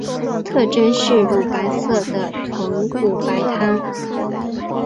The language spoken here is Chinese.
特征是乳白色的豚骨白汤。